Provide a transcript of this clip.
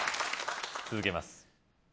続けます